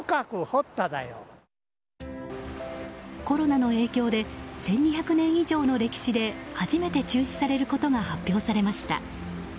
コロナの影響で１２００年以上の歴史で初めて中止されることが発表されました。